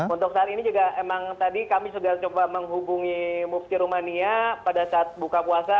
untuk saat ini juga emang tadi kami sudah coba menghubungi mufti rumania pada saat buka puasa